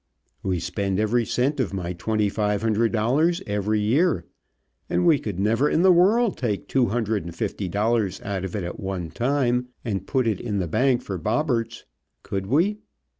We spend every cent of my twenty five hundred dollars every year, and we could never in the world take two hundred and fifty dollars out of it at one time and put it in the bank for Bobberts, could we?